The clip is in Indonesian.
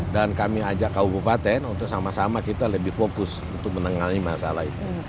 dan kami ajak kabupaten untuk sama sama kita lebih fokus untuk menanggung masalah itu